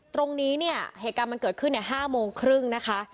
ตรงนี้เนี่ยเหตุการณ์มันเกิดขึ้น๕โมงครึ่งนะคะ